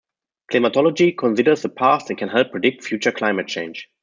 Climatology considers the past and can help predict future climate change.